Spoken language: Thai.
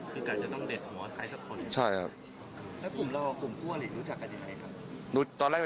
คือกะจะต้องเด็ดหัวใครสักคนใช่ครับแล้วกลุ่มเรากลุ่มคู่อลิรู้จักกันยังไงครับ